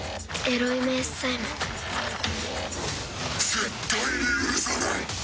絶対に許さない。